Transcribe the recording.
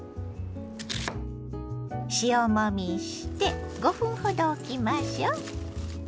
塩もみして５分ほどおきましょ。